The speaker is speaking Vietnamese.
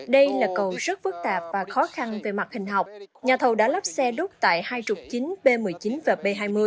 đây là cầu rất phức tạp và khó khăn về mặt hình học nhà thầu đã lắp xe đốt tại hai trục chính b một mươi chín và b hai mươi